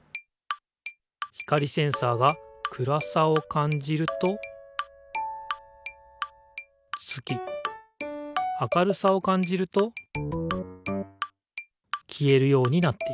光センサーが暗さを感じると点き明るさを感じるときえるようになっている。